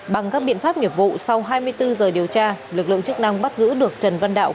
bằng các biện pháp nghiệp vụ sau hai mươi bốn giờ điều tra lực lượng chức năng bắt giữ được trần văn đạo